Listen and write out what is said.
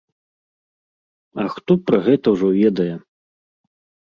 А хто пра гэта ўжо ведае?